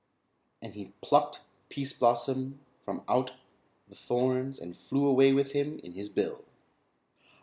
And he plucked Pease Blossom from out the thorns and flew away with him in his bill.